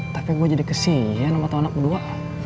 tapi gue jadi kesian sama tau anak lo dua